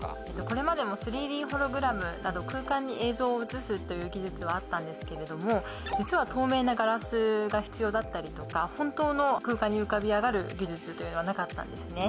これまでも３Ｄホログラムなど空間に映像を映すという技術はあったんですけれども実は透明なガラスが必要だったりとか本当の空間に浮かび上がる技術というのはなかったんですね